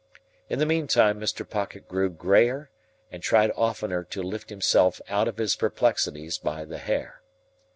In the meantime Mr. Pocket grew greyer, and tried oftener to lift himself out of his perplexities by the hair.